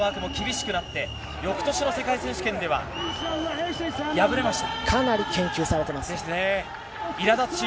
当然、世界のマークも厳しくなって、翌年の世界選手権では敗れました。